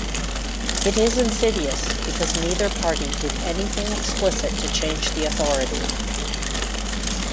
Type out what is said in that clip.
It is insidious because neither party did anything explicit to change the authority.